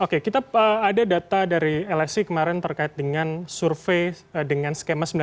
oke kita ada data dari lsi kemarin terkait dengan survei dengan skema sembilan belas